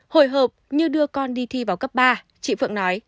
hồi hộp như đưa con đi thi vào cấp ba